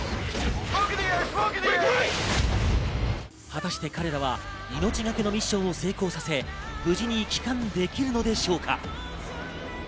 果たして彼らは命懸けのミッションを成功させ、無事に帰還できるのでしょうか。